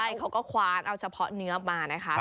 ใช่เขาก็คว้านเอาเฉพาะเนื้อมานะคะ